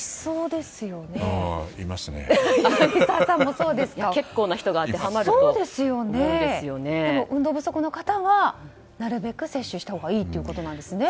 でも、運動不足の方はなるべく接種したほうがいいということですね。